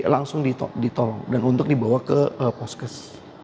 langsung ditolong dan untuk dibawa ke poskes